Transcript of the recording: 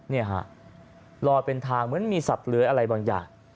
นี่ฮะลอยเป็นทางเหมือนมีสัตว์เหลืออะไรบางอย่าง